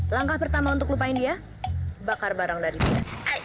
langkah pertama untuk lupain dia bakar barang dari dia